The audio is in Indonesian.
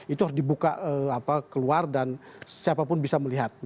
itu harus dibuka keluar dan siapapun bisa melihat